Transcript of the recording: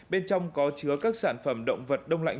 bên trong có chứa các sản phẩm động vật đông lạnh